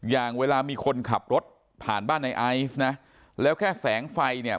อย่างเวลามีคนขับรถผ่านบ้านในไอซ์นะแล้วแค่แสงไฟเนี่ย